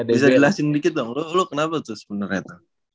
bisa jelasin dikit dong lo kenapa tuh sebenarnya tuh